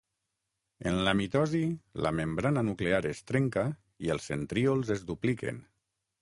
En la mitosi la membrana nuclear es trenca i els centríols es dupliquen.